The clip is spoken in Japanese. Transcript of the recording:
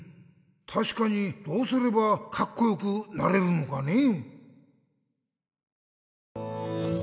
たしかにどうすればカッコよくなれるのかねぇ？